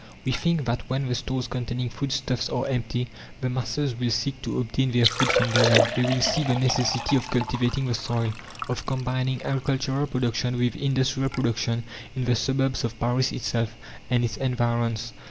We think that when the stores containing food stuffs are empty, the masses will seek to obtain their food from the land. They will see the necessity of cultivating the soil, of combining agricultural production with industrial production in the suburbs of Paris itself and its environs.